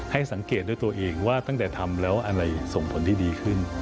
ให้สังเกตด้วยตัวเองว่าตั้งแต่ทำแล้วอะไรส่งผลดีขึ้น